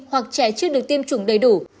hoặc trẻ trước được tiêm chủng đầy đủ